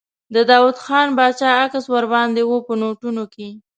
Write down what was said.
د داووخان باچا عکس ور باندې و په نوټونو کې.